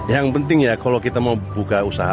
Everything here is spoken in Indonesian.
yang penting ya kalau kita mau buka usaha